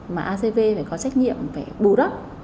mà acv phải có trách nhiệm phải bù đắp